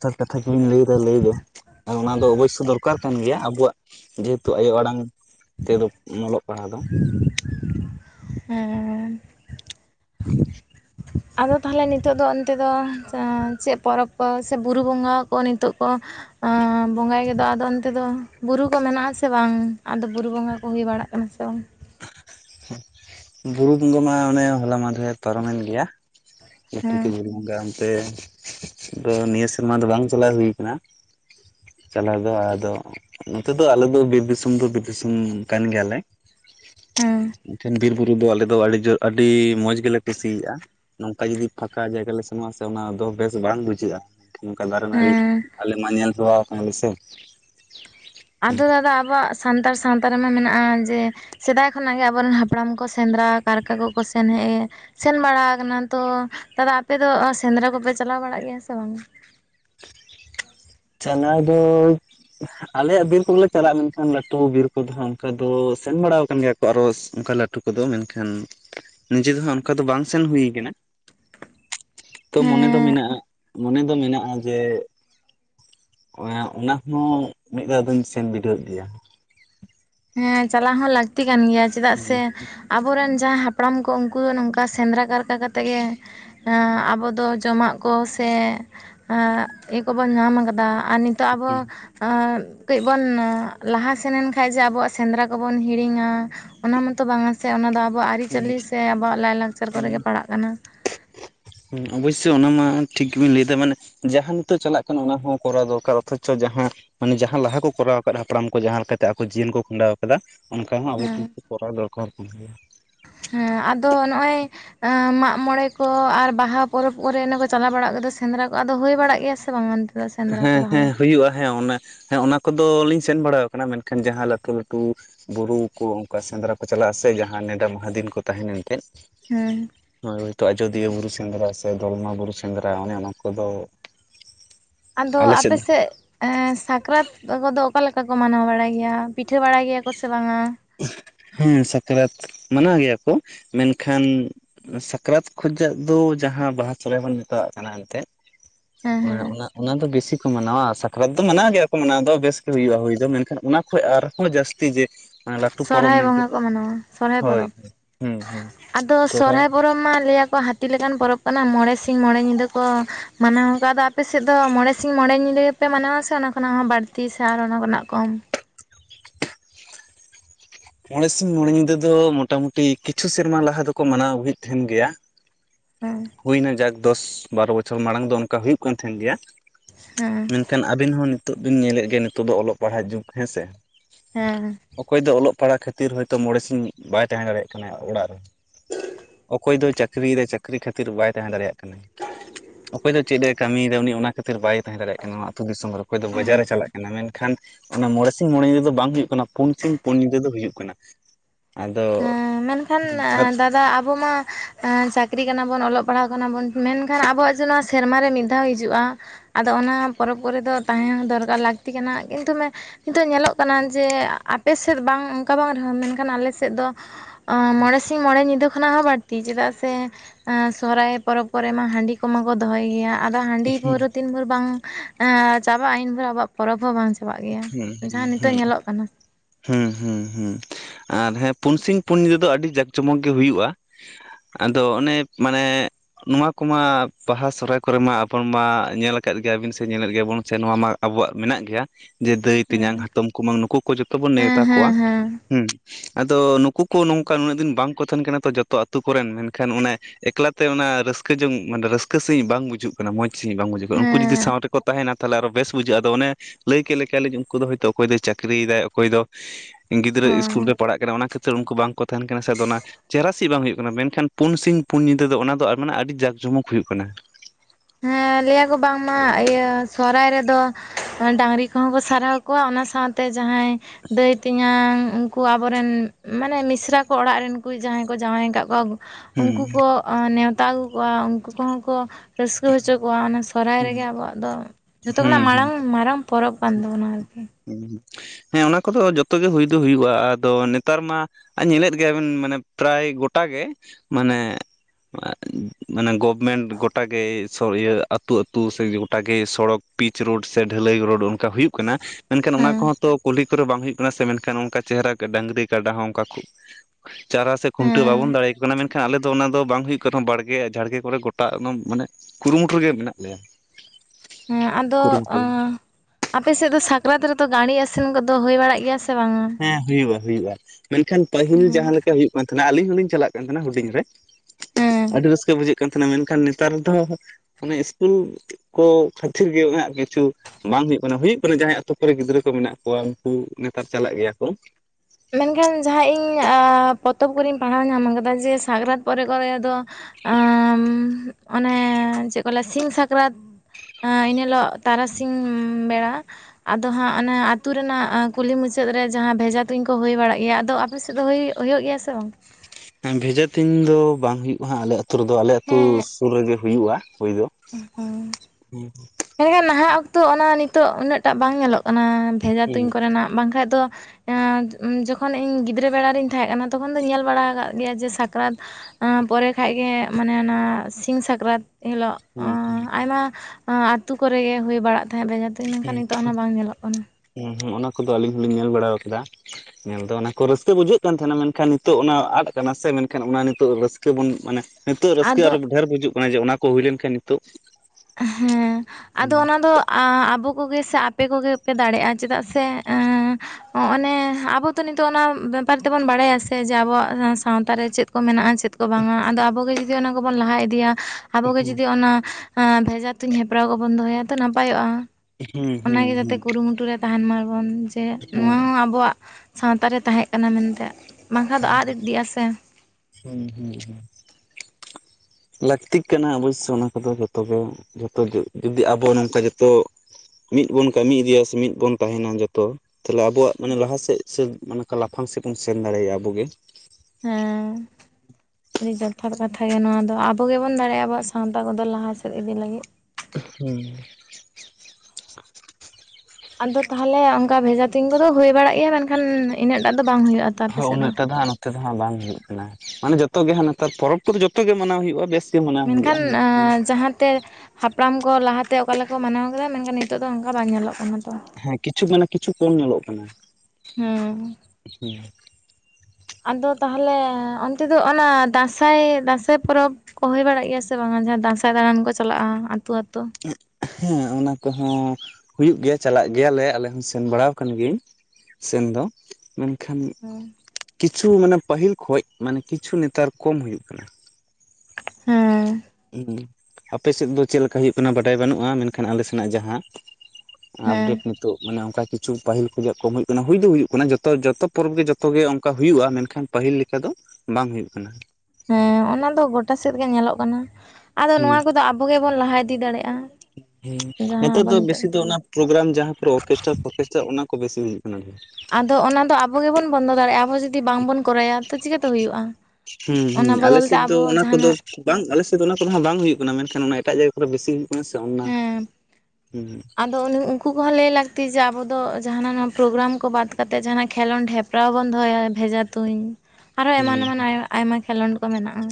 ᱠᱟᱛᱷᱟ ᱠᱚᱵᱤᱱ ᱞᱟᱹᱭ ᱮᱫᱟ ᱞᱟᱹᱭ ᱫᱚ ᱚᱱᱟ ᱫᱚ ᱚᱵᱚᱭᱥᱳ ᱫᱚᱨᱠᱟᱨ ᱠᱟᱱ ᱜᱮᱭᱟ ᱟᱵᱚᱣᱟᱜ ᱡᱮ ᱦᱮᱛᱩ ᱟᱭᱳ ᱟᱲᱟᱝ ᱛᱮᱫᱚ ᱚᱞᱚᱜ ᱯᱟᱲᱦᱟᱣ ᱫᱚ ᱦᱮᱸ [unintelligible] ᱟᱫᱚ ᱛᱟᱦᱚᱞᱮ ᱱᱤᱛᱚᱜ ᱫᱚ ᱚᱱᱛᱮ ᱫᱚ ᱪᱮᱫ ᱯᱚᱨᱚᱵᱽ ᱠᱚ ᱥᱮ ᱵᱩᱨᱩ ᱵᱚᱸᱜᱟ ᱠᱚ ᱱᱤᱛᱚᱜ ᱫᱚ ᱵᱚᱸᱜᱟᱭ ᱜᱮᱫᱚ ᱟᱫᱚ ᱚᱱᱛᱮ ᱫᱚ ᱵᱩᱨᱩ ᱠᱚ ᱢᱮᱱᱟᱜ ᱟᱥᱮ ᱵᱟᱝ ᱟᱫᱚ ᱵᱩᱨᱩ ᱵᱚᱸᱜᱟ ᱠᱚ ᱦᱩᱭ ᱵᱟᱲᱟᱜ ᱚᱱᱟ ᱥᱟᱶ ᱵᱩᱨᱩ ᱵᱚᱸᱜᱟ ᱢᱟ ᱚᱱᱮ ᱦᱚᱞᱟ ᱢᱟᱱᱫᱷᱮᱨ ᱯᱟᱨᱚᱢᱮᱱ ᱜᱮᱭᱟ ᱦᱮᱸ ᱞᱟᱹᱴᱩᱠᱤ ᱵᱩᱨᱩ ᱵᱚᱸᱜᱟ ᱚᱱᱛᱮ ᱫᱚ ᱱᱤᱭᱟᱹ ᱥᱮᱨᱢᱟ ᱫᱚ ᱵᱟᱝ ᱪᱟᱞᱟᱣ ᱦᱩᱭ ᱟᱠᱟᱱᱟ ᱪᱟᱞᱟᱣ ᱫᱚ ᱟᱫᱚ ᱱᱚᱛᱮ ᱫᱚ ᱟᱞᱮ ᱫᱚ ᱵᱤᱨ ᱫᱤᱥᱚᱢ ᱫᱚ ᱵᱤᱨ ᱫᱤᱥᱚᱢ ᱠᱟᱱ ᱜᱮᱭᱟᱞᱮ ᱦᱮᱸ ᱤᱠᱷᱟᱹᱱ ᱵᱤᱨ ᱵᱩᱨᱩ ᱫᱚ ᱟᱞᱮ ᱫᱚ ᱟᱹᱰᱤ ᱟᱹᱰᱤ ᱢᱚᱡᱽ ᱜᱮᱞᱮ ᱠᱩᱥᱤᱭᱟᱜᱼᱟ ᱚᱠᱟ ᱡᱩᱫᱤ ᱯᱷᱟᱸᱠᱟ ᱡᱟᱭᱜᱟ ᱞᱮ ᱥᱮᱱᱚᱜᱼᱟ ᱥᱮ ᱚᱱᱟ ᱫᱚ ᱵᱮᱥ ᱵᱟᱝ ᱵᱩᱡᱷᱟᱹᱜᱼᱟ ᱚᱱᱠᱟ ᱫᱟᱨᱮ ᱱᱟᱹᱲᱤ ᱦᱮᱸ ᱟᱞᱮ ᱢᱟ ᱧᱮᱞ ᱦᱮᱣᱟ ᱟᱠᱟᱱᱟ ᱞᱮ ᱥᱮ ᱟᱫᱚ ᱫᱟᱫᱟ ᱟᱵᱚᱣᱟᱜ ᱥᱟᱱᱛᱟᱲ ᱥᱟᱶᱛᱟ ᱨᱮᱢᱟ ᱢᱮᱱᱟᱜᱼᱟ ᱡᱮ ᱥᱮᱫᱟᱭ ᱠᱷᱚᱱᱟᱜ ᱜᱮ ᱟᱵᱚᱨᱮᱱ ᱦᱟᱯᱲᱟᱢ ᱠᱚ ᱥᱮᱸᱫᱽᱨᱟ ᱠᱟᱨᱠᱟ ᱠᱚᱠᱚ ᱥᱮᱱᱦᱮᱡ ᱥᱮᱱ ᱵᱟᱲᱟ ᱟᱠᱟᱱᱟ ᱛᱚ ᱫᱟᱫᱟ ᱟᱯᱮ ᱫᱚ ᱥᱮᱸᱫᱽᱨᱟ ᱠᱚᱯᱮ ᱪᱟᱞᱟᱣ ᱵᱟᱲᱟᱜ ᱜᱮᱭᱟ ᱥᱮ ᱵᱟᱝ ᱪᱟᱞᱟᱣ ᱫᱚ ᱟᱞᱮᱭᱟᱜ ᱵᱤᱨ ᱠᱚ ᱵᱚᱞᱮ ᱪᱟᱞᱟᱜᱼᱟ ᱢᱮᱱᱠᱷᱟᱱ ᱞᱟᱹᱴᱩ ᱵᱤᱨ ᱠᱚ ᱫᱚ ᱦᱟᱸᱜ ᱚᱱᱠᱟ ᱫᱚ ᱥᱮᱱ ᱵᱟᱲᱟ ᱟᱠᱟᱱ ᱜᱮᱭᱟ ᱠᱚ ᱟᱨᱥ ᱚᱱᱠᱟ ᱞᱟᱹᱴᱩ ᱠᱚᱫᱚ ᱢᱮᱱᱠᱷᱟᱱ ᱱᱤᱡᱮ ᱫᱚ ᱦᱟᱸᱜ ᱚᱱᱠᱟ ᱫᱚ ᱵᱟᱝ ᱥᱮᱱ ᱦᱩᱭ ᱠᱟᱱᱟ᱾ ᱛᱚ ᱢᱚᱱᱮ ᱫᱚ ᱦᱮᱸ ᱢᱮᱱᱟᱜᱼᱟ ᱢᱚᱱᱮ ᱫᱚ ᱢᱮᱱᱟᱜᱼᱟ ᱡᱮ ᱢᱟᱱᱮ ᱚᱱᱟᱜ ᱦᱚᱸ ᱢᱤᱫ ᱫᱷᱟᱣ ᱫᱚᱧ ᱥᱮᱱ ᱵᱤᱰᱟᱹᱣ ᱤᱫᱤᱭᱟ᱾ ᱦᱮᱸ ᱪᱟᱞᱟᱜ ᱦᱚᱸ ᱞᱟᱹᱠᱛᱤ ᱠᱟᱱ ᱜᱮᱭᱟ ᱪᱮᱫᱟᱜ ᱦᱩᱸ ᱥᱮ ᱟᱵᱚᱨᱮᱱ ᱡᱟᱦᱟᱸᱭ ᱦᱟᱯᱲᱟᱢ ᱠᱚ ᱩᱱᱠᱩ ᱫᱚ ᱱᱚᱝᱠᱟ ᱥᱮᱸᱫᱽᱨᱟ ᱠᱟᱨᱠᱟ ᱠᱟᱛᱮ ᱜᱮ ᱟᱵᱚ ᱫᱚ ᱡᱚᱢᱟᱜ ᱠᱚ ᱥᱮ ᱤᱭᱟᱹ ᱠᱚᱵᱚᱱ ᱧᱟᱢ ᱟᱠᱟᱫᱟ ᱟᱨ ᱱᱤᱛ ᱟᱵᱚ ᱦᱩᱸ ᱠᱟᱹᱡ ᱵᱚᱱ ᱞᱟᱦᱟ ᱥᱮᱱᱮᱱ ᱠᱷᱟᱡ ᱡᱮ ᱟᱵᱚᱣᱟᱜ ᱥᱮᱸᱫᱽᱨᱟ ᱠᱚᱵᱚᱱ ᱦᱤᱲᱤᱧᱟ ᱚᱱᱟ ᱢᱚᱛᱚ ᱵᱟᱝ ᱥᱮ ᱚᱱᱟ ᱫᱚ ᱟᱵᱚᱣᱟᱜ ᱟᱹᱨᱤ-ᱪᱟᱹᱞᱤ ᱥᱮ ᱟᱵᱚᱣᱟᱜ ᱞᱟᱭ ᱞᱟᱠᱪᱟᱨ ᱠᱚᱨᱮ ᱜᱮ ᱯᱟᱲᱟᱜ ᱠᱟᱱᱟ ᱦᱚᱸ ᱚᱵᱚᱥᱳᱭ ᱚᱱᱟ ᱢᱟ ᱴᱷᱤᱠ ᱜᱮᱵᱤᱱ ᱞᱟᱹᱭᱮᱫᱟ ᱢᱟᱱᱮ ᱡᱟᱦᱟᱸ ᱱᱤᱛᱚᱜ ᱪᱟᱞᱟᱜ ᱠᱟᱱᱟ ᱚᱱᱟ ᱦᱚᱸ ᱠᱚᱨᱟᱣ ᱫᱚᱨᱠᱟᱨ ᱚᱛᱷᱚᱪᱚ ᱡᱟᱦᱟᱸ ᱢᱟᱱᱮ ᱡᱟᱦᱟᱸ ᱞᱟᱦᱟ ᱠᱚ ᱠᱚᱨᱟᱣ ᱟᱠᱟᱫᱼᱟ ᱦᱟᱯᱲᱟᱢ ᱠᱚ ᱡᱟᱦᱟᱸ ᱞᱮᱠᱟᱛᱮ ᱟᱠᱚ ᱡᱤᱭᱚᱱ ᱠᱚ ᱠᱷᱟᱸᱰᱟᱣ ᱚᱱᱠᱟ ᱦᱚᱸ ᱟᱵᱚ ᱦᱮᱸ ᱠᱤᱱᱛᱩ ᱠᱚᱨᱟᱣ ᱫᱚᱨᱠᱟᱨ ᱠᱟᱱ ᱜᱮᱭᱟ᱾ ᱦᱮᱸ ᱟᱫᱚ ᱱᱚᱜᱼᱚᱭ ᱟᱸ ᱢᱟᱜ ᱢᱚᱬᱮ ᱠᱚ ᱟᱨ ᱵᱟᱦᱟ ᱯᱚᱨᱚᱵᱽ ᱠᱚᱨᱮ ᱤᱱᱟᱹ ᱠᱚ ᱪᱟᱞᱟᱣ ᱵᱟᱲᱟᱜ ᱠᱚᱫᱚ ᱥᱮᱸᱫᱽᱨᱟ ᱠᱚ᱾ ᱟᱫᱚ ᱦᱩᱭ ᱵᱟᱲᱟᱜ ᱜᱮᱭᱟ ᱥᱮ ᱵᱟᱝ ᱚᱱᱛᱮ? ᱫᱚ ᱥᱮᱸᱫᱽᱨᱟ ᱠᱚ ᱦᱮᱸ ᱦᱮᱸ ᱛᱟᱦᱚᱞᱮ ᱦᱩᱭᱩᱜᱼᱟ ᱦᱮᱸ ᱚᱱᱟ ᱦᱮᱸ ᱚᱱᱟ ᱠᱚᱫᱚᱞᱤᱧ ᱥᱮᱱ ᱵᱟᱲᱟ ᱠᱟᱱᱟ ᱢᱮᱱᱠᱷᱟᱱ ᱡᱟᱦᱟᱸ ᱞᱟᱹᱴᱩ ᱞᱟᱹᱴᱩ ᱵᱩᱨᱩ ᱠᱚ ᱚᱱᱠᱟ ᱥᱮᱸᱫᱽᱨᱟ ᱠᱚ ᱪᱟᱞᱟᱜᱼᱟᱥᱮ ᱡᱟᱦᱟᱸ ᱱᱮᱰᱟ ᱢᱟᱦᱟ ᱫᱤᱱ ᱠᱚ ᱛᱟᱦᱮ ᱮᱱᱛᱮᱫ᱾ ᱦᱩᱸ ᱦᱳᱭ ᱦᱳᱭᱛᱳ ᱟᱡᱚᱫᱤᱭᱟᱹ ᱵᱩᱨᱩ ᱥᱮᱸᱫᱽᱨᱟ ᱥᱮ ᱫᱚᱞᱢᱟ ᱵᱩᱨᱩ ᱥᱮᱸᱫᱽᱨᱟ ᱚᱱᱮ ᱚᱱᱟ ᱠᱚᱫᱚ᱾ ᱟᱫᱚ ᱟᱯᱮ ᱥᱮᱫ ᱮᱸ ᱥᱟᱠᱨᱟᱛ ᱠᱚᱫᱚ ᱚᱠᱟ ᱞᱮᱠᱟ ᱠᱚ ᱢᱟᱱᱟᱣ ᱵᱟᱲᱟᱭ ᱜᱮᱭᱟ ᱯᱤᱴᱷᱟᱹ ᱵᱟᱲᱟᱭ ᱜᱮᱭᱟ ᱠᱚ ᱥᱮ ᱵᱟᱝ-ᱟ? ᱦᱮᱸ ᱥᱟᱠᱨᱟᱛ ᱢᱟᱱᱟᱣ ᱜᱮᱭᱟ ᱠᱚ ᱢᱮᱱᱠᱷᱟᱱ ᱥᱟᱠᱨᱟᱛ ᱠᱷᱚᱡᱟᱜ ᱫᱚ ᱡᱟᱦᱟᱸ ᱵᱟᱦᱟ ᱥᱚᱨᱚᱦᱟᱭ ᱵᱚᱱ ᱢᱮᱛᱟᱣᱟᱜ ᱠᱟᱱᱟ ᱮᱱᱛᱮᱫ ᱦᱮᱸ ᱦᱮᱸ ᱢᱟᱱᱮ ᱚᱱᱟ ᱚᱱᱟ ᱫᱚ ᱵᱮᱥᱤ ᱠᱚ ᱢᱟᱱᱟᱣᱟ ᱥᱟᱠᱨᱟᱛ ᱫᱚ ᱢᱟᱱᱟᱣ ᱜᱮᱭᱟ ᱠᱚ ᱢᱟᱱᱟᱣ ᱫᱚ ᱵᱮᱥ ᱜᱮ ᱦᱩᱭᱩᱜᱼᱟ ᱦᱩᱭ ᱫᱚ ᱢᱮᱱᱠᱷᱟᱱ ᱚᱱᱟ ᱠᱷᱚᱱ ᱟᱨᱦᱚᱸ ᱡᱟᱹᱥᱛᱤ ᱡᱮ ᱞᱟᱹᱴᱩ ᱯᱚᱨᱚᱵᱽ ᱥᱚᱨᱦᱟᱭ ᱢᱮᱱᱛᱮ ᱵᱚᱸᱜᱟ ᱠᱚ ᱫᱚ ᱢᱟᱱᱟᱣᱟ ᱥᱚᱨᱦᱟᱭ ᱦᱳᱭ ᱯᱚᱨᱚᱵᱽ ᱦᱩᱸ ᱦᱩᱸ ᱟᱫᱚ ᱥᱚᱨᱦᱟᱭ ᱯᱚᱨᱚᱵᱽ ᱢᱟ ᱞᱟᱹᱭᱟᱠᱚ ᱦᱟᱛᱤ ᱦᱟᱛᱤ ᱞᱮᱠᱟᱱ ᱯᱚᱨᱚᱵᱽ ᱠᱟᱱᱟ ᱢᱚᱬᱮ ᱥᱤᱧ ᱢᱚᱬᱮ ᱧᱤᱫᱟᱹ ᱠᱚ ᱢᱟᱱᱟᱣ ᱟᱠᱟᱫᱟ ᱟᱯᱮᱥᱮᱫ ᱫᱚ ᱢᱚᱬᱮ ᱥᱤᱧ ᱢᱚᱬᱮ ᱧᱤᱫᱟᱹ ᱯᱮ ᱢᱟᱱᱟᱣᱟ ᱥᱮ ᱚᱱᱟ ᱠᱷᱚᱱᱟᱜ ᱦᱚᱸ ᱵᱟᱹᱲᱛᱤ ᱥᱮ ᱟᱨᱦᱚ ᱚᱱᱟ ᱠᱷᱚᱱᱟᱜ ᱠᱚᱢ ᱢᱚᱬᱮ ᱥᱤᱧ ᱢᱚᱬᱮ ᱧᱤᱫᱟᱹ ᱫᱚ ᱢᱚᱴᱟ ᱢᱩᱴᱤ ᱠᱤᱪᱷᱩ ᱥᱮᱨᱢᱟ ᱞᱟᱦᱟ ᱫᱚᱠᱚ ᱢᱟᱱᱟᱣ ᱟᱹᱜᱩᱭᱮᱫ ᱛᱟᱦᱮᱱ ᱜᱮᱭᱟ᱾ ᱦᱮᱸ ᱦᱩᱭᱱᱟ ᱡᱟᱠ ᱫᱚᱥ ᱵᱟᱨᱚ ᱵᱚᱪᱷᱚᱨ ᱢᱟᱲᱟᱝ ᱫᱚ ᱚᱱᱠᱟ ᱦᱩᱭᱩᱜ ᱠᱟᱱ ᱛᱟᱦᱮᱱ ᱜᱮᱭᱟ᱾ ᱦᱸ ᱢᱮᱱᱠᱷᱟᱱ ᱟᱵᱤᱱ ᱦᱚᱸ ᱱᱤᱛᱚᱜ ᱵᱤᱱ ᱧᱮᱞᱮᱫ ᱜᱮᱭᱟ ᱱᱤᱛᱚᱜ ᱫᱚ ᱚᱞᱚᱜ ᱯᱟᱲᱦᱟ ᱡᱩᱜᱽ᱾ ᱦᱮᱸᱥᱮ? ᱦᱮᱸ ᱦᱮᱸ ᱚᱠᱚᱭ ᱫᱚ ᱚᱞᱚᱜ ᱯᱟᱲᱦᱟᱜ ᱠᱷᱟᱹᱛᱤᱨ ᱦᱚᱭᱛᱳ ᱢᱚᱬᱮ ᱥᱤᱧ ᱵᱟᱭ ᱛᱟᱦᱮᱸ ᱫᱟᱲᱮᱭᱟᱜ ᱠᱟᱱᱟ ᱚᱲᱟᱜ ᱨᱮᱫᱚ᱾ ᱚᱠᱚᱭ ᱫᱚᱭ ᱪᱟᱠᱨᱤ ᱨᱮ ᱪᱟᱠᱨᱤ ᱠᱷᱟᱛᱤᱨ᱾ ᱠᱷᱟᱹᱛᱤᱨ ᱵᱟᱭ ᱛᱟᱦᱮᱸ ᱫᱟᱲᱮᱭᱟᱜ ᱠᱟᱱᱟ ᱚᱠᱚᱭ ᱫᱚ ᱪᱮᱫ ᱮ ᱠᱟᱹᱢᱤᱭᱮᱫᱟ ᱩᱱᱤ ᱚᱱᱟ ᱠᱷᱟᱹᱛᱤᱨ ᱵᱟᱭ ᱛᱟᱦᱮᱸ ᱫᱟᱲᱮᱭᱟᱜ ᱠᱟᱱᱟ ᱱᱚᱣᱟ ᱟᱹᱛᱩ ᱫᱤᱥᱚᱢ ᱨᱮ ᱚᱠᱚᱭ ᱫᱚ ᱵᱟᱡᱟᱨᱼᱮ ᱪᱟᱞᱟᱜ ᱠᱟᱱᱟ ᱢᱮᱱᱠᱷᱟᱱ ᱚᱱᱮ ᱢᱚᱬᱮ ᱥᱤᱧ ᱢᱚᱬᱮ ᱧᱤᱫᱟᱹ ᱫᱚ ᱵᱟᱝ ᱦᱩᱭᱩᱜ ᱠᱟᱱᱟ ᱯᱩᱱ ᱥᱤᱧ ᱯᱩᱱ ᱧᱤᱫᱟᱹ ᱫᱚ ᱦᱩᱭᱩᱜ ᱠᱟᱱᱟ ᱟᱫᱚ ᱦᱮᱸ ᱢᱮᱱᱠᱷᱟᱱ ᱟᱨ ᱫᱟᱫᱟ ᱟᱵᱚ ᱢᱟ ᱮᱸ ᱪᱟᱹᱠᱨᱤ ᱠᱟᱱᱟ ᱵᱚᱱ ᱚᱞᱚᱜ ᱯᱟᱲᱦᱟᱣ ᱠᱟᱱᱟ ᱵᱚᱱ ᱢᱮᱱᱠᱷᱟᱱ ᱟᱵᱚᱣᱟᱜ ᱡᱮ ᱱᱚᱣᱟ ᱥᱮᱨᱢᱟ ᱨᱮ ᱢᱤᱫ ᱫᱷᱟᱣ ᱦᱤᱡᱩᱜᱼᱟ ᱟᱫᱚ ᱚᱱᱟ ᱯᱚᱨᱚᱵᱽ ᱠᱚᱨᱮ ᱫᱚ ᱛᱟᱦᱮᱸ ᱦᱚᱸ ᱫᱚᱨᱠᱟᱨ ᱞᱟᱹᱠᱛᱤ ᱠᱟᱱᱟ ᱠᱤᱱᱛᱩ ᱢᱮ ᱱᱤᱛᱚᱜ ᱧᱮᱞᱚᱜ ᱠᱟᱱᱟ ᱡᱮ ᱟᱯᱮ ᱥᱮᱫ ᱵᱟᱝ ᱚᱱᱠᱟ ᱵᱟᱝ ᱨᱮᱦᱚᱸ ᱢᱮᱱᱠᱷᱟᱱ ᱟᱞᱮ ᱥᱮᱫ ᱫᱚ ᱟᱸ ᱢᱚᱬᱮ ᱥᱤᱧ ᱢᱚᱬᱮ ᱧᱤᱫᱟᱹ ᱠᱷᱚᱱᱟᱜ ᱦᱚᱸ ᱵᱟᱲ ᱛᱤ ᱪᱮᱫᱟᱜ ᱥᱮ ᱥᱚᱦᱚᱨᱟᱭ ᱯᱚᱨᱚᱵᱽ ᱠᱚᱨᱮ ᱢᱟ ᱦᱟᱺᱰᱤ ᱠᱚᱢᱟ ᱠᱚ ᱫᱚᱦᱚᱭ ᱜᱮᱭᱟ᱾ ᱟᱫᱚ ᱦᱟᱺᱰᱤ ᱯᱟᱹᱣᱨᱟᱹ ᱛᱤᱱ ᱵᱷᱚᱨ ᱵᱟᱝ ᱮᱸ ᱪᱟᱵᱟᱜᱼᱟ ᱤᱱ ᱵᱷᱚᱨ ᱟᱵᱚᱣᱟᱜ ᱯᱚᱨᱚᱵᱽ ᱦᱚᱸ ᱵᱟᱝ ᱪᱟᱵᱟᱜ ᱜᱮᱭᱟ ᱦᱩᱸ ᱡᱟᱦᱟᱸ ᱦᱩᱸ ᱱᱤᱛᱚᱜ ᱦᱩᱸ ᱧᱮᱞᱚᱜ ᱠᱟᱱᱟ᱾ ᱦᱩᱸ ᱦᱩᱸ ᱦᱩᱸ ᱟᱨ ᱦᱮᱸ ᱯᱩᱱᱥᱤᱧ ᱯᱩᱱᱱᱤᱫᱟᱹ ᱫᱚ ᱟᱹᱰᱤ ᱡᱟᱠ ᱡᱚᱢᱚᱠ ᱜᱮ ᱦᱩᱭᱩᱜᱼᱟ᱾ ᱟᱫᱚ ᱚᱱᱮ ᱢᱟᱱᱮ ᱱᱚᱣᱟ ᱠᱚᱢᱟ ᱵᱟᱦᱟ ᱥᱚᱦᱨᱟᱭ ᱠᱚᱨᱮ ᱢᱟ ᱟᱵᱚᱱ ᱢᱟ ᱧᱮᱞ ᱟᱠᱟᱫ ᱜᱮᱭᱟᱵᱤᱱ ᱥᱮ ᱧᱮᱞᱮᱫ ᱜᱮᱭᱟᱵᱚᱱ ᱥᱮ ᱱᱚᱣᱟ ᱢᱟ ᱟᱵᱚᱣᱟᱜ ᱢᱮᱱᱟᱜ ᱜᱮᱭᱟ ᱡᱮ ᱫᱟᱹᱭ, ᱛᱮᱧᱟᱝ, ᱦᱮᱸ ᱦᱟᱛᱚᱢ, ᱠᱩᱢᱟᱹᱝ ᱱᱩᱠᱩ ᱠᱚ ᱡᱚᱛᱚ ᱵᱚᱱ ᱦᱮᱸ ᱱᱮᱣᱛᱟ ᱠᱚᱣᱟ᱾ ᱦᱮᱸ ᱦᱮᱸ ᱟᱫᱚ ᱱᱩᱠᱩ ᱠᱚ ᱱᱚᱝᱠᱟ ᱩᱱᱟᱹᱜ ᱫᱤᱱ ᱵᱟᱝᱠᱚ ᱛᱟᱦᱮᱱ ᱠᱟᱱᱟ ᱛᱚ ᱡᱚᱛᱚ ᱟᱛᱳ ᱠᱚᱨᱮᱱ ᱢᱮᱱᱠᱷᱟᱱ ᱚᱱᱮ ᱮᱠᱞᱟᱛᱮ ᱚᱱᱟ ᱨᱟᱹᱥᱠᱟᱹ ᱡᱚᱝ ᱢᱟᱱᱮ ᱨᱟᱹᱥᱠᱟᱹ ᱥᱟᱺᱦᱤᱡ ᱵᱟᱝ ᱵᱩᱡᱷᱩᱜ ᱢᱚᱡᱽᱥᱟᱦᱤᱡ ᱵᱟᱝ ᱵᱩᱡᱷᱟᱹᱣᱼᱟ ᱩᱱᱠᱩ ᱡᱩᱫᱤ ᱦᱮᱸ ᱥᱟᱶ ᱨᱮᱠᱚ ᱛᱟᱦᱮᱱᱟ ᱛᱟᱦᱚᱞᱮ ᱟᱨᱚ ᱵᱮᱥ ᱵᱩᱡᱟᱹᱜᱼᱟ ᱟᱫᱚ ᱚᱱᱮ ᱞᱟᱹᱭ ᱠᱮᱫ ᱞᱮᱠᱟᱭᱞᱤᱧ ᱩᱱᱠᱩ ᱫᱚᱭᱛ ᱚᱠᱚᱭ ᱫᱚᱭ ᱪᱟᱹᱠᱨᱤᱭᱮᱫᱟᱭ ᱚᱠᱚᱭ ᱫᱚ ᱜᱤᱫᱽᱨᱟᱹ ᱤᱥᱠᱩᱞ ᱦᱮᱸ ᱨᱮ ᱯᱟᱲᱦᱟᱜ ᱠᱟᱱᱟ ᱚᱱᱟ ᱠᱷᱟᱹᱛᱤᱨ ᱩᱱᱠᱩ ᱵᱟᱝᱠᱚ ᱛᱟᱦᱮᱱ ᱠᱟᱱᱟ ᱥᱮ ᱟᱫᱚ ᱚᱱᱟ ᱪᱮᱦᱨᱟ ᱥᱟᱦᱤᱜ ᱵᱟᱝ ᱦᱩᱭᱩᱜ ᱠᱟᱱᱟ ᱢᱮᱱᱠᱷᱟᱱ ᱯᱩᱱ ᱥᱤᱧ ᱯᱩᱱ ᱧᱤᱫᱟᱹ ᱫᱚ ᱚᱱᱟ ᱫᱚ ᱢᱟᱱᱮ ᱟᱹᱰᱤ ᱡᱟᱠ ᱡᱚᱢᱚᱠ ᱦᱩᱭᱩᱜ ᱠᱟᱱᱟ᱾ ᱦᱮᱸ ᱞᱟᱹᱭᱟᱠᱚ ᱵᱟᱝᱢᱟ ᱤᱭᱟᱹ ᱥᱚᱦᱨᱟᱭ ᱨᱮᱫᱚ ᱰᱟᱝᱨᱤ ᱠᱚᱦᱚᱸ ᱠᱚ ᱥᱟᱨᱦᱟᱣ ᱠᱚᱣᱟ ᱚᱱᱟ ᱥᱟᱶᱛᱮ ᱡᱟᱦᱟᱸᱭ ᱫᱟᱹᱭ, ᱛᱮᱧᱟᱝ ᱩᱱᱠᱩ ᱟᱵᱚᱨᱮᱱ ᱢᱟᱱᱮ ᱢᱤᱥᱨᱟ ᱠᱚ ᱚᱲᱟᱜ ᱨᱮᱱ ᱠᱚ ᱡᱟᱦᱟᱸᱭ ᱠᱚ ᱡᱟᱶᱟᱭ ᱟᱠᱟᱫ ᱠᱚᱣᱟ ᱦᱩᱸ ᱩᱱᱠᱩ ᱠᱚ ᱱᱮᱶᱛᱟ ᱟᱜᱩ ᱠᱚᱣᱟ ᱩᱱᱠᱩ ᱠᱚᱦᱚᱸ ᱠᱚ ᱨᱟᱹᱥᱠᱟᱹ ᱦᱚᱪᱚ ᱠᱚᱣᱟ ᱚᱱᱟ ᱥᱚᱦᱚᱨᱟᱭ ᱦᱩᱸ ᱨᱮᱜᱮ ᱟᱵᱚᱣᱟᱜ ᱫᱚ ᱡᱚᱛᱚ ᱦᱩᱸ ᱠᱷᱚᱱᱟᱜ ᱦᱩᱸ ᱢᱟᱨᱟᱝ ᱢᱟᱨᱟᱝ ᱯᱚᱨᱚᱵᱽ ᱠᱟᱱ ᱛᱟᱵᱚᱱᱟ ᱟᱨᱠᱤ ᱦᱮᱸ ᱚᱱᱟ ᱠᱚᱫᱚ ᱡᱚᱛᱚ ᱜᱮ ᱦᱩᱭ ᱫᱚ ᱦᱩᱭᱩᱜᱼᱟ ᱟᱫᱚ ᱱᱮᱛᱟᱨ ᱢᱟ ᱟᱨ ᱧᱮᱞᱮᱫ ᱜᱮᱭᱟᱵᱤᱱ ᱢᱟᱱᱮ ᱯᱨᱟᱭ ᱜᱚᱴᱟ ᱜᱮ ᱢᱟᱱᱮ ᱢᱟᱱᱮ ᱜᱚ ᱢᱮᱱ ᱜᱚᱴᱟᱜᱮ ᱤᱭᱟᱹ ᱟᱹᱛᱩ ᱟᱹᱛᱩ ᱥᱮ ᱜᱚᱴᱟᱜᱮ ᱥᱚᱲᱚᱠ ᱯᱤᱪ ᱨᱳᱰ ᱥᱮ ᱰᱷᱟᱹᱞᱟᱹᱭ ᱨᱳᱰ ᱦᱩᱭᱩᱜ ᱠᱟᱱᱟ ᱢᱮᱱᱠᱷᱟᱱ ᱚᱱᱟ ᱦᱮᱸ ᱠᱚᱦᱚᱸ ᱛᱚ ᱠᱩᱞᱤ ᱠᱚ ᱵᱟᱝ ᱦᱩᱭᱩᱜ ᱠᱟᱱᱟ ᱥᱮ ᱢᱮᱱᱠᱷᱟᱱ ᱚᱱᱠᱟ ᱪᱮᱦᱨᱟ ᱰᱟᱹᱟᱝᱨᱤ ᱠᱟᱰᱟ ᱦᱚᱸ ᱚᱱᱠᱟ ᱠᱚ ᱪᱟᱨᱟ ᱥᱮ ᱠᱷᱩᱱᱴᱟᱹᱣ ᱵᱟᱵᱚᱱ ᱦᱮᱸ ᱫᱟᱲᱮᱭᱟ ᱠᱚ ᱠᱟᱱᱟ ᱢᱮᱱᱠᱷᱟᱱ ᱟᱞᱮ ᱫᱚ ᱚᱱᱟ ᱫᱚ ᱵᱟᱝ ᱦᱩᱭᱩᱜ ᱠᱟᱱᱟ ᱵᱟᱲᱜᱮ ᱡᱷᱟᱲᱜᱮ ᱠᱚᱨᱮ ᱜᱚᱴᱟ ᱢᱟᱱᱮ ᱠᱩᱨᱩᱢᱩᱴᱩ ᱨᱮᱜᱮ ᱢᱮᱱᱟᱜ ᱞᱮᱭᱟ ᱦᱮᱸ ᱟᱫᱚ ᱠᱩᱨᱩᱢᱩᱴᱩ ᱟᱯᱮᱥᱮᱫ ᱫᱚ ᱥᱟᱠᱨᱟᱛ ᱨᱮᱫᱟ ᱜᱟᱲᱤ ᱟᱹᱥᱮᱱ ᱠᱚᱫᱚ ᱦᱩᱭ ᱵᱟᱲᱟᱜ ᱜᱮᱭᱟ ᱥᱮ ᱵᱟᱝ ᱟ ᱦᱮᱸ ᱦᱩᱭᱩᱜᱼᱟ ᱦᱩᱭᱩᱜᱼᱟ ᱢᱮᱱᱠᱷᱟᱱ ᱯᱟᱹᱦᱤᱞ ᱦᱮᱸ ᱡᱟᱦᱟᱸ ᱞᱮᱠᱟ ᱦᱩᱭᱩᱜ ᱛᱟᱦᱮᱱᱟ ᱟᱹᱞᱤᱧ ᱦᱚᱞᱤᱧ ᱪᱟᱞᱟᱜ ᱠᱟᱱ ᱛᱟᱦᱮᱱᱟ ᱦᱩᱰᱤᱧ ᱨᱮ ᱦᱮᱸ ᱟᱹᱰᱤ ᱨᱟᱹᱥᱠᱟᱹ ᱵᱩᱡᱷᱟᱹᱜ ᱠᱟᱱ ᱛᱟᱦᱮᱱᱟ ᱢᱮᱱᱠᱷᱟᱱ ᱱᱮᱛᱟᱨ ᱫᱚ ᱢᱟᱱᱮ ᱥᱠᱩᱞ ᱠᱚ ᱠᱷᱟᱹᱛᱤᱨ ᱜᱮ ᱩᱱᱟ. ᱜ ᱠᱤᱪᱷᱩ ᱵᱟᱝ ᱦᱩᱭᱩᱜ ᱠᱟᱱᱟ ᱦᱩᱭᱩᱜ ᱠᱟᱱᱟ ᱡᱟᱦᱟᱸᱭ ᱟᱛᱳ ᱠᱚᱨᱮ ᱜᱤᱫᱽᱨᱟᱹ ᱠᱚ ᱢᱮᱱᱟᱜ ᱠᱚᱣᱟ ᱩᱱᱠᱩ ᱱᱮᱛᱟᱨ ᱪᱟᱞᱟᱜ ᱜᱮᱭᱟ ᱠᱚ ᱢᱮᱱᱠᱷᱟᱱ ᱡᱟᱦᱟᱸ ᱤᱧ ᱯᱚᱛᱚᱵ ᱠᱚᱨᱮᱧ ᱯᱟᱲᱦᱟᱣ ᱧᱟᱢ ᱟᱠᱟᱫᱟ ᱡᱮ ᱥᱟᱠᱨᱟᱛ ᱯᱚᱨᱮ ᱠᱚᱨᱮ ᱫᱚ ᱚᱱᱮ ᱪᱮᱫ ᱠᱚ ᱞ ᱥᱤᱧ ᱥᱟᱠᱨᱟᱛ ᱮᱱ ᱦᱤᱞᱳᱜ ᱛᱟᱨᱟᱥᱤᱧ ᱵᱮᱲᱟ ᱟᱫᱚ ᱦᱟᱸᱜ ᱚᱱᱮ ᱟ ᱟᱹᱛᱩ ᱨᱮᱱᱟᱜ ᱠᱩᱞᱤ ᱢᱩᱪᱟᱹᱫ ᱨᱮ ᱡᱟᱦᱟᱸ ᱵᱷᱮᱡᱟ ᱩᱛᱩᱧ ᱠᱚ ᱦᱩᱭ ᱵᱟᱲᱟᱜ ᱜᱮᱭᱟ ᱟᱫᱚ ᱟᱯᱮ ᱥᱮᱫ ᱫᱚ ᱦᱩᱭᱩᱜ ᱜᱮᱭᱟ ᱥᱮ ᱵᱟᱝ ᱦᱮᱸ ᱵᱷᱮᱡᱟ ᱛᱩᱧ ᱫᱚ ᱵᱟᱝ ᱦᱩᱭᱩᱜ ᱦᱞ ᱟᱞᱮ ᱟᱨᱳ ᱨᱮᱫᱚ ᱟᱞᱮ ᱦᱮᱸ ᱟᱛᱳᱥᱩᱨ ᱨᱮᱜᱮ ᱦᱩᱭᱩᱜᱼᱟ ᱦᱳᱭ ᱫᱚ ᱦᱩ ᱦᱮ ᱦᱮ ᱱᱟᱦᱟᱜ ᱚᱠᱛᱚ ᱚᱱᱟ ᱱᱤᱛᱚᱜ ᱩᱱᱟᱹᱜ ᱴᱟᱜ ᱵᱟᱝ ᱧᱮᱞᱚᱜ ᱠᱟᱱᱟ ᱵᱷᱮᱡᱟ ᱦᱩᱸ ᱛᱩᱧ ᱠᱚᱨᱮᱱᱟᱜ ᱵᱟᱝᱠᱷᱟ ᱫᱚ ᱡᱚᱠᱷᱚᱱ ᱤᱧ ᱜᱤᱫᱽᱨᱟᱹ ᱵᱮᱲᱟᱟᱨᱤᱧ ᱛᱟᱦᱮᱸ ᱠᱟᱱᱟ ᱛᱚᱠᱷᱚᱱ ᱫᱚᱧ ᱧᱮᱞ ᱵᱟᱲᱟ ᱟᱠᱟᱫ ᱜᱮᱭᱟ ᱡᱮ ᱥᱟᱠᱨᱟᱛ ᱯᱚᱨᱮ ᱠᱷᱟᱡᱜ ᱢᱟᱱᱮ ᱚᱱᱟ ᱥᱤᱧ ᱥᱟᱠᱨᱟᱛ ᱦᱤᱞᱳᱜ ᱦᱩᱸ ᱦᱩᱸ ᱟᱭᱢᱟ ᱟᱛᱳ ᱠᱚᱨᱮᱜ ᱜᱮ ᱦᱩᱭ ᱵᱟᱲᱟᱜ ᱛᱟᱦᱮᱸ ᱵᱮᱡᱷᱟ ᱛᱚ ᱢᱮᱱᱠᱷᱟᱱ ᱱᱤᱛᱚᱜ ᱦᱟᱱᱟ ᱵᱟᱝ ᱧᱮᱞᱚᱜ ᱠᱟᱱᱟ ᱦᱸ ᱦᱸ ᱚᱱᱟ ᱠᱚᱫᱚ ᱟᱹᱞᱤᱧ ᱦᱚᱞᱤᱧ ᱧᱮᱞ ᱵᱟᱲᱟ ᱟᱠᱟᱫᱟ ᱧᱮᱞ ᱫᱚ ᱚᱱᱟ ᱠᱚ ᱨᱟᱹᱥᱠᱟᱹ ᱵᱩᱡᱷᱟᱹᱜ ᱠᱟᱱ ᱛᱟᱦᱮᱱᱟ ᱢᱮᱱᱠᱷᱟᱱ ᱱᱤᱛᱚᱜ ᱚᱱᱟ ᱟᱫ ᱠᱟᱱᱟ ᱥᱮ ᱢᱮᱱᱠᱷᱟᱱ ᱚᱱᱟ ᱱᱤᱛᱚᱜ ᱨᱟᱹᱥᱠᱟᱹ ᱵᱚᱱ ᱢᱟᱱᱮ ᱱᱤᱛᱚᱜ ᱨᱟᱹᱥᱠᱟᱹ ᱟᱫᱚ ᱟᱨᱚ ᱰᱷᱮᱨ ᱵᱩᱡᱩᱜ ᱠᱟᱱᱟ ᱡᱮ ᱚᱱᱟ ᱠᱚ ᱦᱩᱭ ᱞᱮᱱᱠᱷᱟᱱ ᱱᱤᱛᱚᱜ ᱦᱮᱸ ᱟᱫᱚ ᱦᱩᱸ ᱚᱱᱟ ᱫᱚ ᱟᱵᱚ ᱠᱚᱜᱮ ᱥᱮ ᱟᱯᱮ ᱠᱚᱜᱮ ᱯᱮ ᱫᱟᱲᱮᱭᱟᱜᱼᱟ ᱪᱮᱫᱟᱜ ᱥᱮ ᱜ ᱚᱱᱮ ᱟᱵᱚ ᱛᱚ ᱱᱤᱛᱚᱜ ᱚᱱᱟ ᱵᱮᱯᱟᱨ ᱛᱮᱵᱚᱱ ᱵᱟᱲᱟᱭᱟ ᱥᱮ ᱡᱮ ᱟᱵᱚᱣᱟᱜ ᱥᱟᱶᱛᱟ ᱨᱮ ᱪᱮᱫ ᱠᱚ ᱢᱮᱱᱟᱜᱼᱟ ᱪᱮᱫ ᱠᱚ ᱵᱟᱝᱟ ᱟᱫᱚ ᱟᱵᱚᱜᱮ ᱡᱩᱫᱤ ᱚᱱᱟ ᱠᱚᱵᱚᱱ ᱞᱟᱦᱟ ᱤᱫᱤᱭᱟ ᱟᱵᱚᱜᱮ ᱡᱩᱫᱤ ᱚᱱᱟ ᱵᱷᱮᱡᱟ ᱛᱩᱧ ᱦᱮᱯᱨᱟᱣ ᱠᱚᱵᱚᱱ ᱫᱚᱦᱚᱭᱟ ᱛᱚ ᱱᱟᱯᱟᱭᱚᱜᱼᱟ ᱦᱩᱸ ᱦᱩᱸ ᱚᱱᱟᱜᱮ ᱡᱟᱛᱮ ᱠᱩᱨᱩᱢᱩᱴᱩ ᱨᱮ ᱛᱟᱦᱮᱱ ᱢᱟᱵᱚᱱ ᱡᱮ ᱱᱚᱣᱟ ᱦᱩᱸ ᱦᱚᱸ ᱟᱵᱚᱣᱟᱜ ᱥᱟᱶᱛᱟ ᱨᱮ ᱛᱟᱦᱮᱸ ᱠᱟᱱᱟ ᱢᱮᱱᱛᱮ ᱵᱟᱝᱠᱷᱟᱱ ᱫᱚ ᱟᱫ ᱤᱫᱤᱜᱼᱟ ᱥᱮ ᱦᱩᱸ ᱦᱩᱸ ᱦᱩᱸ ᱞᱟᱹᱠᱛᱤᱜ ᱠᱟᱱᱟ ᱚᱵᱚᱥᱥᱳᱭ ᱚᱱᱟ ᱠᱚᱫᱚ ᱡᱚᱛᱚ ᱜᱮ ᱡᱚᱛᱚ ᱡᱩᱚᱫᱤ ᱟᱵᱚ ᱱᱚᱝᱠᱟ ᱡᱚᱛᱚ ᱢᱤᱫ ᱵᱚᱱ ᱠᱟᱹᱢᱤ ᱤᱫᱤᱭᱟ ᱥᱮ ᱢᱤᱫ ᱵᱚᱱ ᱛᱟᱦᱮᱱᱟ ᱡᱚᱛᱚ ᱛᱟᱦᱞᱮ ᱟᱵᱚᱣᱟᱜ ᱢᱟᱱ ᱞᱟᱦᱟ ᱥᱮᱫ ᱥᱮ ᱞᱟᱯᱷᱟᱝ ᱥᱮᱫ ᱵᱚᱱ ᱥᱮᱱ ᱫᱟᱲᱮᱭᱟᱜᱼᱟ ᱟᱵᱩᱜ ᱜᱮ ᱦᱮᱸ ᱟᱹᱰᱤ ᱡᱚᱛᱷᱟᱛ ᱠᱟᱛᱷᱟ ᱜᱮ ᱱᱚᱣᱟ ᱫᱚ ᱟᱵᱚ ᱜᱮᱵᱚᱱ ᱫᱟᱲᱮᱭᱟᱜᱼᱟ ᱟᱵᱚᱣᱟᱜ ᱥᱟᱶᱛᱟ ᱠᱚᱫᱚ ᱞᱟᱦᱟ ᱥᱮᱫ ᱤᱫᱤ ᱞᱟᱹᱜᱤᱫ ᱦᱮᱸ ᱟᱫᱚ ᱛᱟᱦᱚᱞᱮ ᱚᱱᱠᱟ ᱵᱷᱮᱡᱟ ᱛᱤᱧ ᱠᱚᱫᱚ ᱦᱩᱭ ᱵᱟᱲᱟᱜ ᱜᱮᱭᱟ ᱢᱮᱱᱠᱷᱟᱱ ᱤᱱᱟᱹᱜᱴᱟᱜ ᱫᱚ ᱵᱟᱝ ᱦᱩᱭᱩᱜᱼᱟ ᱛᱚ ᱦ ᱟᱯᱮ ᱥᱮᱫ ᱩᱱᱟᱹᱜ ᱴᱴᱟ ᱫᱚ ᱦᱟᱜ ᱱᱚᱛᱮ ᱫᱚ ᱦᱜ ᱵᱟᱝ ᱦᱩᱭᱩᱜ ᱠᱟᱱᱟ ᱢᱟᱱᱮ ᱡᱚᱛᱚ ᱜᱮ ᱦᱜ ᱱᱮᱛᱟᱨ ᱯᱚᱨᱚᱵᱽ ᱠᱚᱫᱚ ᱡᱚᱛᱚ ᱜᱮ ᱢᱟᱱᱟᱣ ᱦᱩᱭᱩᱜᱼᱟ ᱵᱮᱥ ᱜᱮ ᱢᱟᱱᱟᱣ ᱦᱩᱭᱩᱜᱼᱟ ᱢᱮᱱᱠᱷᱟᱱ ᱡᱟᱦᱟᱸᱛᱮ ᱦᱟᱯᱲᱟᱢ ᱠᱚ ᱞᱟᱦᱟᱛᱮ ᱚᱠᱟ ᱞᱮᱠᱟ ᱠᱚ ᱢᱟᱱᱟᱣ ᱠᱮᱫᱟ ᱢᱮᱱᱠᱷᱟᱱ ᱱᱤᱛᱚᱜ ᱫᱚ ᱚᱱᱠᱟ ᱵᱟᱝ ᱧᱮᱞᱚᱜ ᱠᱟᱱᱟ ᱛᱚ ᱦᱮᱸ ᱠᱤᱪᱷᱩ ᱢᱟᱱᱮ ᱠᱤᱪᱷᱩ ᱠᱚᱢ ᱧᱮᱞᱚᱜ ᱠᱟᱱᱟ ᱦᱮᱸ ᱦᱮᱸ ᱟᱫᱚ ᱛᱟᱦᱚᱞᱮ ᱚᱱᱛᱮ ᱫᱚ ᱚᱱᱟ ᱫᱟᱸᱥᱟᱭ ᱫᱟᱸᱥᱟᱭ ᱯᱚᱨᱚᱵᱽ ᱠᱚ ᱦᱩᱭ ᱵᱟᱲᱟᱜ ᱜᱮᱭᱟ ᱥᱮ ᱵᱟᱝ ᱡᱟᱦᱟᱸ ᱫᱟᱸᱥᱟᱭ ᱫᱟᱬᱟᱱ ᱠᱚ ᱪᱟᱞᱟᱜᱼᱟ ᱟᱹᱛᱩ ᱟ ᱟᱹᱛᱩᱳ ᱦᱮᱸ ᱚᱱᱟ ᱠᱚᱦᱚᱸ ᱦᱩᱭᱩᱜ ᱜᱮᱭᱟ ᱪᱟᱞᱟᱜ ᱜᱮᱭᱟᱞᱮ ᱟᱞᱮ ᱦᱚᱸ ᱥᱮᱱ ᱵᱟᱲᱟ ᱟᱠᱟᱱ ᱜᱤᱭᱟᱹᱧ ᱥᱮᱱ ᱫᱚ ᱮᱠᱷᱟᱱ ᱠᱤᱪᱷᱩ ᱢᱟᱱᱮ ᱯᱟᱹᱦᱤᱞ ᱠᱷᱚᱱᱚ ᱢᱟᱱᱮ ᱠᱤᱪᱷᱩ ᱱᱮᱛᱟᱨ ᱠᱚᱢ ᱦᱩᱭᱩᱜ ᱠᱟᱱᱟ ᱦᱮᱸ ᱦᱩᱸ ᱟᱯᱮ ᱥᱮᱫ ᱫᱚ ᱪᱮᱫ ᱞᱮᱠᱟ ᱦᱩᱭᱩᱜ ᱠᱟᱱᱟ ᱵᱟᱰᱟᱭ ᱵᱟᱹᱱᱩᱜᱼᱟ ᱢᱮᱱᱠᱷᱟᱱ ᱟᱞᱮ ᱥᱮᱱᱟᱜ ᱡᱟᱦᱟᱸ ᱦᱮᱸ ᱟᱯᱰᱮᱴ [unintelligible] ᱛᱳ ᱢᱟᱱᱮ ᱚᱱᱠᱟ ᱠᱤᱪᱷᱩ ᱯᱟᱹᱦᱤᱞ ᱠᱷᱚᱡ ᱠᱚᱢ ᱦᱩᱭᱩᱜ ᱠᱟᱱᱟ ᱦᱩᱭ ᱫᱚ ᱦᱩᱭᱩᱜ ᱠᱟᱱᱟ ᱡᱚᱛᱚ ᱡᱚᱛᱚ ᱯᱚᱨᱚᱵ ᱜᱮ ᱡᱚᱛᱚ ᱜᱮ ᱚᱱᱠᱟ ᱦᱩᱭᱩᱜᱼᱟ ᱢᱮᱱᱠᱷᱟᱱ ᱯᱟᱹᱦᱤᱞ ᱞᱮᱠᱟ ᱫᱚ ᱵᱟᱝ ᱦᱩᱭᱩᱜ ᱠᱟᱱᱟ ᱦᱮᱸ ᱚᱱᱟ ᱫᱚ ᱜᱚᱴᱟ ᱥᱮᱫ ᱜᱮ ᱧᱮᱞᱚᱜ ᱠᱟᱱᱟ ᱟᱫᱚ ᱦᱩᱸ ᱱᱚᱣᱟ ᱠᱚᱫᱚ ᱟᱵᱚ ᱜᱮᱵᱚᱱ ᱞᱟᱦᱟ ᱤᱫᱤ ᱫᱟᱲᱮᱭᱟᱜᱼᱟ ᱡᱟᱦᱟᱸ ᱱᱮᱛᱟᱨ ᱟᱵᱚ ᱫᱚ ᱱᱤᱛᱚᱜ ᱵᱮᱥᱤ ᱫᱚ ᱚᱱᱟ ᱯᱨᱳᱜᱨᱟᱢ ᱡᱟᱦᱟᱸ ᱠᱚᱨᱮ ᱚᱨᱠᱮᱥᱴᱨᱟ ᱯᱷᱮᱥᱴ ᱚᱱᱟ ᱵᱮᱥᱤ ᱦᱩᱭᱩᱜ ᱠᱟᱱᱟ ᱜᱮᱭᱟ ᱟᱫᱚ ᱚᱱᱟ ᱫᱚ ᱟᱵᱚ ᱜᱮᱵᱚᱱ ᱵᱚᱱᱫᱚ ᱫᱟᱲᱮᱭᱟᱜᱼᱟ ᱟᱵᱚ ᱡᱩᱫᱤ ᱵᱟᱝᱵᱚᱱ ᱠᱚᱨᱟᱭᱟ ᱛᱚ ᱪᱤᱠᱟᱹᱛᱮ ᱦᱩᱭᱩᱜᱼᱟ ᱦᱩᱸ ᱦᱩᱸ ᱚᱱᱟ ᱟᱞᱮ ᱵᱚᱫᱚᱞ ᱛᱮ ᱥᱮᱫ ᱫᱚ ᱟᱵᱚ ᱚᱱᱟ ᱠᱚᱫᱚ ᱡᱟᱦᱟᱸᱱᱟᱜ ᱵᱟᱝ ᱟᱞᱮᱮᱥᱮᱫ ᱫᱚ ᱚᱱᱟ ᱠᱚᱫᱚ ᱵᱟᱝ ᱦᱩᱭᱩᱜ ᱠᱟᱱᱟ ᱢᱮᱱᱠᱷᱟᱱ ᱚᱱᱟ ᱮᱴᱟᱜ ᱡᱟᱭᱜᱟ ᱠᱚᱨᱮ ᱵᱮᱥᱤ ᱦᱩᱭᱩᱜ ᱠᱟᱱᱟ ᱥᱮ ᱚᱱᱟ ᱦᱮᱸ ᱦᱩᱸ ᱟᱫᱚ ᱩᱱᱤ ᱩᱱᱠᱩ ᱠᱚᱦᱚᱸ ᱞᱟᱹᱭ ᱞᱟᱹᱠᱛᱤ ᱡᱮ ᱟᱵᱚ ᱡᱟᱦᱟᱱᱟ ᱱᱚᱣᱟ ᱯᱨᱳᱜᱨᱟᱢ ᱠᱚ ᱵᱟᱫ ᱠᱟᱛᱮ ᱡᱟᱦᱟᱱᱟᱜ ᱠᱷᱮᱞᱳᱰ ᱰᱷᱮᱯ ᱦᱮᱯᱨᱟᱣ ᱵᱚᱱ ᱫᱚᱦᱚᱭᱟ ᱵᱷᱮᱡᱟ ᱛᱩᱧ ᱟᱨᱚ ᱦᱩᱸ ᱮᱢᱟᱱ ᱮᱢᱟᱱ ᱟᱭ ᱟᱭᱢᱟ ᱠᱷᱮᱞᱳᱰ ᱠᱚ ᱢᱮᱱᱟᱜᱼᱟ